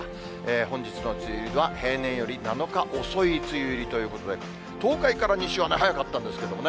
本日の梅雨入りは平年より７日遅い梅雨入りということで、東海から西は早かったんですけどね。